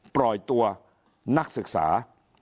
ปล่อยตัวนักศึกษา